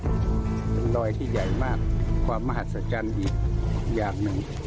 เป็นรอยที่ใหญ่มากความมหัศจรรย์อีกอย่างหนึ่ง